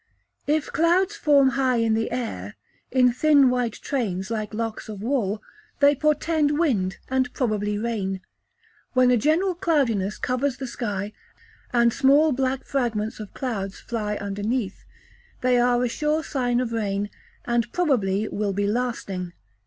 If clouds form high in air, in thin white trains like locks of wool, they portend wind, and probably rain. When a general cloudiness covers the sky, and small black fragments of clouds fly underneath, they are a sure sign of rain, and probably will be lasting.